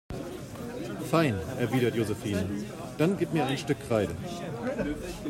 Fein, erwidert Josephine, dann gib mir ein Stück Kreide.